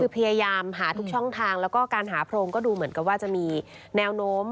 คือพยายามหาทุกช่องทางแล้วก็การหาโพรงก็ดูเหมือนกับว่าจะมีแนวโน้ม